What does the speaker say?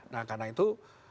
nah karena itu